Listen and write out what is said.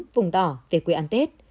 bốn vùng đỏ về quê ăn tết